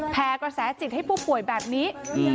แพร่กระแสจิตให้ผู้ป่วยแบบนี้